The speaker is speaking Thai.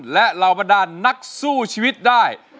และเรามาด่านนักสู้ชีวิตได้